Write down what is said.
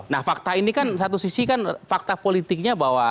nah fakta ini kan satu sisi kan fakta politiknya bahwa